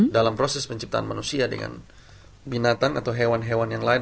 dalam proses penciptaan manusia dengan binatang atau hewan hewan yang lain